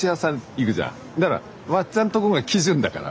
だから松ちゃんとこが基準だから。